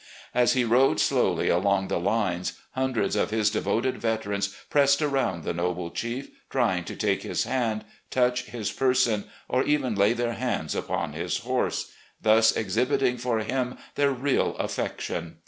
As he rode slowly along the lines, hundreds of his devoted veterans pressed around the noble chief, trying to take his hand, touch his person, or even lay their hands upon his horse, thus exhibiting for him their great affec tion.